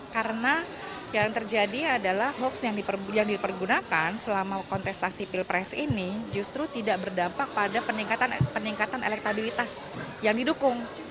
karena yang terjadi adalah hoax yang dipergunakan selama kontestasi pilpres ini justru tidak berdampak pada peningkatan elektabilitas yang didukung